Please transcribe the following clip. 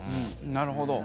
なるほど。